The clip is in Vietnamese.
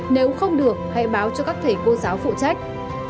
nếu không được hãy báo cho các thầy cô giáo phụ trách